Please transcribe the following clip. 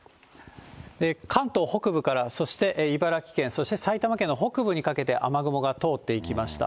関東北部から、そして茨城県、そして埼玉県の北部にかけて雨雲が通っていきました。